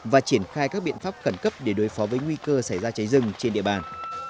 và triển khai các biện pháp khẩn cấp để đối phó với nguy cơ xảy ra cháy rừng trên địa bàn